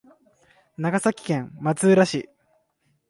長崎県松浦市